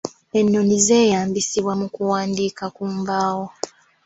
Ennoni zeeyambisibwa mu kuwandiika ku mbaawo